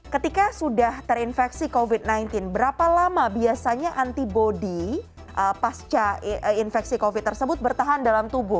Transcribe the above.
ketika sudah terinfeksi covid sembilan belas berapa lama biasanya antibody pasca infeksi covid tersebut bertahan dalam tubuh